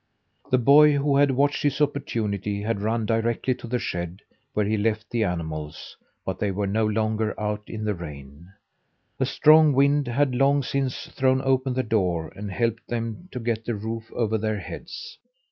The boy, who had watched his opportunity, had run directly to the shed, where he left the animals, but they were no longer out in the rain: A strong wind had long since thrown open the door and helped them to get a roof over their heads.